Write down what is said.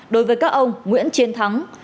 đối với các ông nguyễn chiến thắng